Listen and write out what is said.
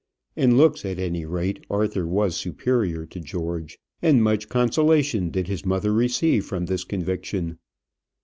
In looks, at any rate, Arthur was superior to George; and much consolation did his mother receive from this conviction.